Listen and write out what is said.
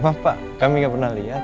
ma ma pak kami gak pernah lihat